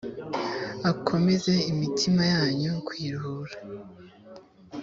akomeze imitima yanyu kuyiruhura